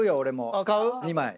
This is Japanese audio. ２枚。